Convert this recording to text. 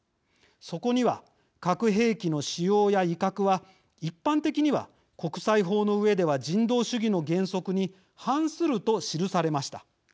そこには核兵器の使用や威嚇は一般的には国際法の上では人道主義の原則に反すると記されました。